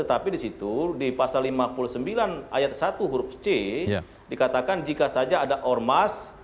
tetapi di situ di pasal lima puluh sembilan ayat satu huruf c dikatakan jika saja ada ormas